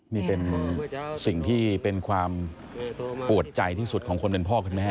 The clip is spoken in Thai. นี่เป็นสิ่งที่เป็นความปวดใจที่สุดของคนเป็นพ่อคุณแม่